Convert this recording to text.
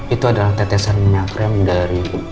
itu adalah tetesan minyak rem dari